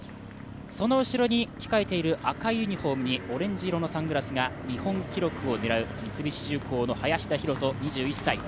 その後ろに控えている赤いユニフォームにオレンジ色のサングラスが日本記録を狙う三菱重工の林田洋翔２１歳。